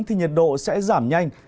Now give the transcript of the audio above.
thì nhiệt độ sẽ giảm nhanh